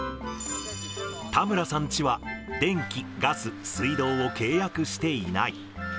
田村さんチは、電気、ガス、水道を契約していない。